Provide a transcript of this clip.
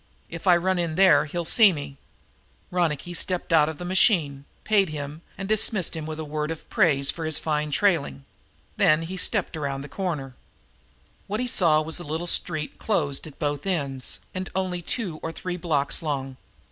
"If I run in there he'll see me." Ronicky stepped from the machine, paid him and dismissed him with a word of praise for his fine trailing. Then he stepped around the corner. What he saw was a little street closed at both ends and only two or three blocks long.